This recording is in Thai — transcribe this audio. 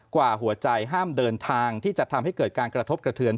กว่าหัวใจห้ามเดินทางที่จะทำให้เกิดการกระทบกระเทือน